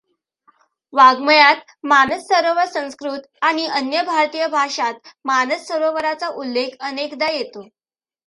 वाङ्मयात मानस सरोवर संस्कृत आणि अन्य भारतीय भाषांत मानस सरोवराचा उल्लेख अनेकदा येतो.